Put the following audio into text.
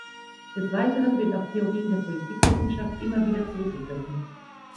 Des Weiteren wird auf Theorien der Politikwissenschaft immer wieder zurückgegriffen.